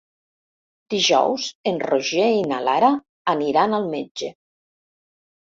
Dijous en Roger i na Lara aniran al metge.